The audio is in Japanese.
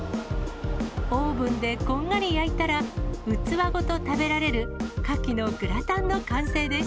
オーブンでこんがり焼いたら、器ごと食べられるカキのグラタンの完成です。